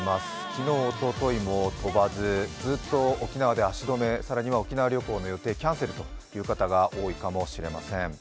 昨日、おとといも飛ばず、ずっと沖縄で足止め、更には沖縄旅行の予定、キャンセルという方が多いかもしれません。